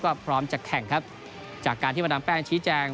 ก็พร้อมจะแข่งครับจากการที่มาดามแป้งชี้แจง